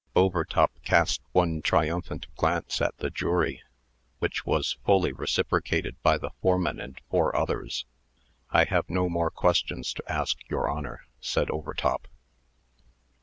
Overtop cast one triumphant glance at the jury, which was fully reciprocated by the foreman and four others. "I have no more questions to ask, your Honor," said Overtop.